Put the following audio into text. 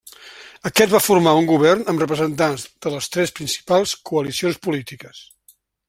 Aquest va formar un govern amb representants de les tres principals coalicions polítiques.